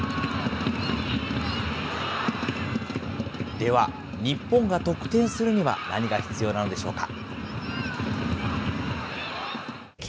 では、日本が得点するには何が必要なのでしょうか。